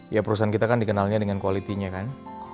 ya perusahaan kita kan dikenalnya dengan qualitynya kan